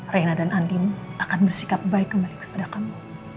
reina dan andin akan bersikap baik kembali kepada kamu